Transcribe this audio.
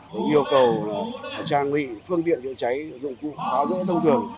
cũng yêu cầu trang bị phương tiện trợ cháy dụng cụ khá dễ thông thường